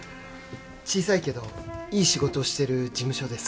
小さいけどいい仕事をしてる事務所です